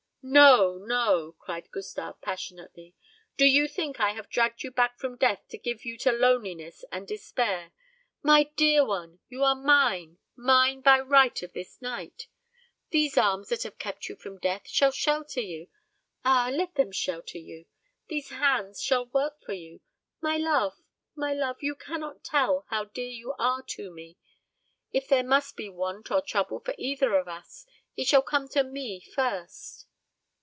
"No, no," cried Gustave passionately; "do you think I have dragged you back from death to give you to loneliness and despair? My dear one, you are mine mine by right of this night. These arms that have kept you from death shall shelter you, ah, let them shelter you! These hands shall work for you. My love, my love! you cannot tell how dear you are to me. If there must be want or trouble for either of us, it shall come to me first."